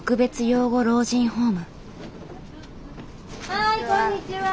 はいこんにちは。